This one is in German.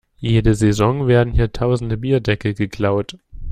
Jede Saison werden hier tausende Bierdeckel geklaut.